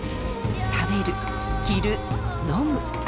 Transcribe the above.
食べる着る飲む。